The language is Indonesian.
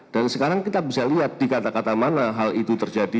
dan sekarang kita bisa lihat di kata kata mana hal itu terjadi